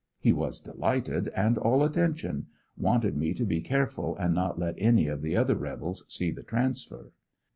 He was delighted and all attention, wanted me to be careful and not let any of the other rebels see the transfer.